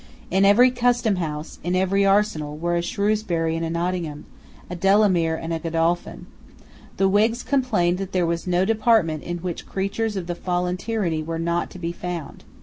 In every customhouse, in every arsenal, were a Shrewsbury and a Nottingham, a Delamere and a Godolphin. The Whigs complained that there was no department in which creatures of the fallen tyranny were not to be found.